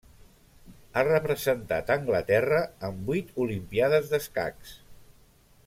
Ha representat Anglaterra en vuit Olimpíades d'escacs.